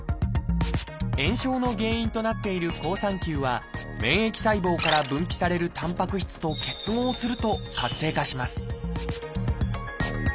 炎症の原因となっている好酸球は免疫細胞から分泌されるたんぱく質と結合すると活性化します